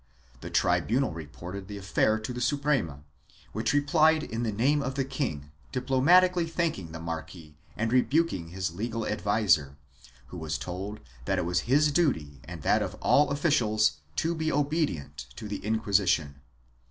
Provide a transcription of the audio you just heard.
The tribunal reported the affair to the Suprema, which replied in the name of the king, diplomatically thanking the marquis and rebuking his legal adviser, who was told that it was his duty and that of all officials to be obedient to the Inquisition.